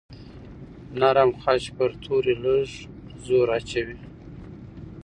نرم خج پر توري لږ زور اچوي.